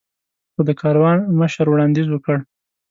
خو د کاروان مشر وړاندیز وکړ.